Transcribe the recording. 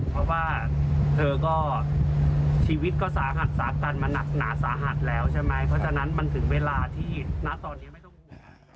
เพราะว่าเธอก็ชีวิตก็สาหัสสากันมาหนักหนาสาหัสแล้วใช่ไหมเพราะฉะนั้นมันถึงเวลาที่ณตอนนี้ไม่ต้องห่วง